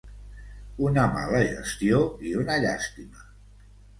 Una mala gestió i una llàstima.